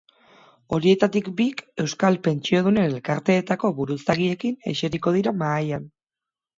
Horietatik bik euskal pentsiodunen elkarteetako buruzagiekin eseriko dira mahaian.